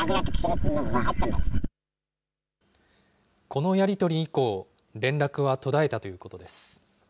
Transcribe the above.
このやり取り以降、連絡は途絶えたということです。